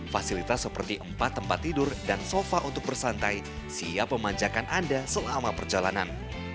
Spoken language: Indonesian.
fasilitas seperti empat tempat tidur dan sofa untuk bersantai siap memanjakan anda selama perjalanan